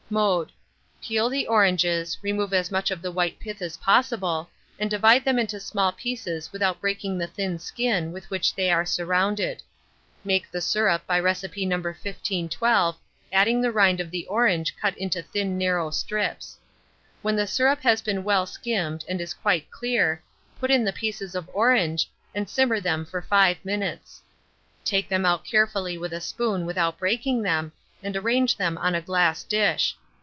Mode. Peel the oranges, remove as much of the white pith as possible, and divide them into small pieces without breaking the thin skin with which they are surrounded. Make the syrup by recipe No. 1512, adding the rind of the orange cut into thin narrow strips. When the syrup has been well skimmed, and is quite clear, put in the pieces of orange, and simmer them for 5 minutes. Take them out carefully with a spoon without breaking them, and arrange them on a glass dish.